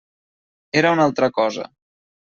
Era una altra cosa.